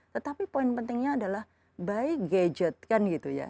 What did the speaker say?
tetapi poin pentingnya adalah by gadget kan gitu ya